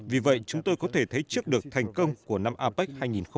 vì vậy chúng tôi có thể thấy trước được thành công của năm apec hai nghìn một mươi bảy